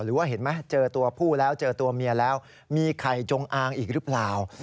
หรือว่าเห็นไหมเจอตัวผู้แล้วเจอตัวเมียแล้วมีไข่จงอางอีกหรือเปล่า